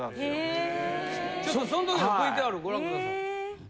・へぇ・ちょっとそん時のＶＴＲご覧ください。